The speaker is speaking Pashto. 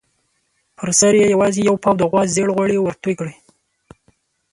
پر سر یې یوازې یو پاو د غوا زېړ غوړي ورتوی کړي.